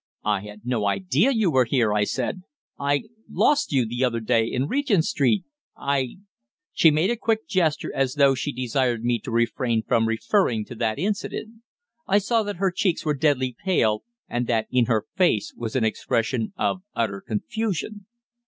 "I had no idea you were here," I said. "I lost you the other day in Regent Street I " She made a quick gesture, as though she desired me to refrain from referring to that incident. I saw that her cheeks were deadly pale, and that in her face was an expression of utter confusion.